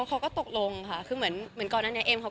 อันนี้ก็รู้ไงว่า